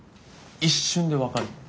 一瞬で分かるの。